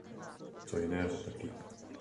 Co jiného, taky?